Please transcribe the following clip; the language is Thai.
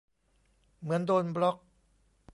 เหมือนโดนบล็อก